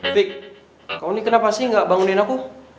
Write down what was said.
vick kau ini kenapa sih gak bangunin aku